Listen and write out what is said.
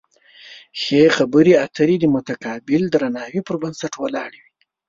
ښې خبرې اترې د متقابل درناوي پر بنسټ ولاړې وي.